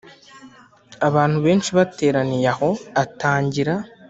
Abantu benshi bateraniye aho atangira